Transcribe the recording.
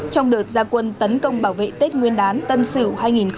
trong đợt gia quân tấn công bảo vệ tết nguyên đán tân sửu hai nghìn hai mươi một